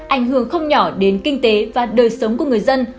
ảnh hưởng không nhỏ đến kinh tế và đời sống của người dân